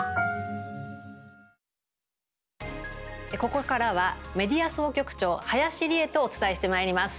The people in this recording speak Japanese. ここからはメディア総局長林理恵とお伝えしてまいります。